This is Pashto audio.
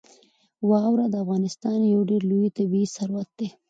واوره د افغانستان یو ډېر لوی طبعي ثروت دی.